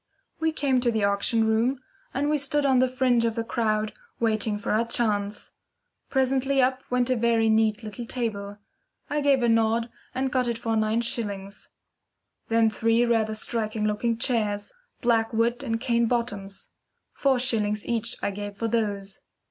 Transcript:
We came to the auction rooms and we stood on the fringe of the crowd waiting for our chance. Presently up went a very neat little table. I gave a nod and got it for nine shillings. Then three rather striking looking chairs, black wood and cane bottoms. Four shillings each I gave for those.